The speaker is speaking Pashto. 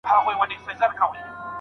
دا چانس په هوا کې مه ورکوئ.